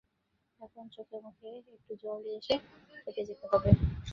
এখন চোখে মুখে একটু জল দিয়ে এসো, খেতে যাবে।